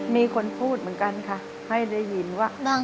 มีคนพูดเหมือนกันค่ะให้ได้ยินว่า